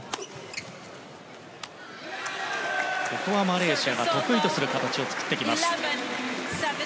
ここはマレーシアが得意とする形を作ってきます。